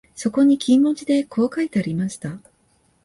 そこに金文字でこう書いてありました